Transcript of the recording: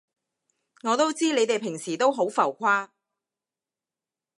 我都知你哋平時都好浮誇